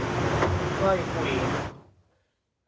เผื่อคุย